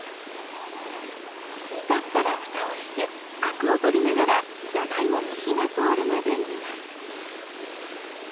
煮立ったらふたをしてアクを取りながらじゃがいもに火が通るまで煮ます。